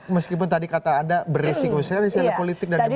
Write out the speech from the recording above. meskipun tadi kata anda beresiko serius politik dan demokrasi